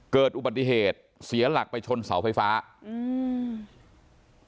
เกิดอุบัติเหตุเสียหลักไปชนเสาไฟฟ้าอืม